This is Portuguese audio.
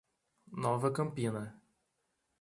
Nova Campina